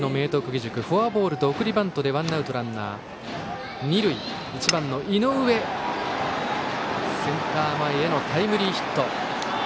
義塾フォアボールと送りバントでワンアウトランナー、二塁となり１番の井上センター前へのタイムリーヒット。